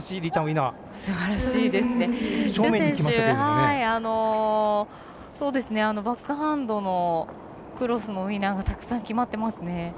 朱選手、バックハンドのクロスのウイナーがたくさん決まっていますね。